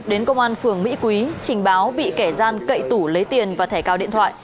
đến công an phường mỹ quý trình báo bị kẻ gian cậy tủ lấy tiền và thẻ cào điện thoại